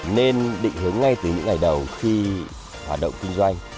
nên định hướng ngay từ những ngày đầu khi hoạt động kinh doanh